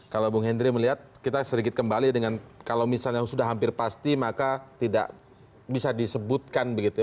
kalau bung hendry melihat kita sedikit kembali dengan kalau misalnya sudah hampir pasti maka tidak bisa disebutkan begitu ya